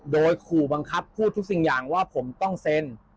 โดยขู่บังคับพูดทุกสิ่งอย่างว่าผมต้องเซ็น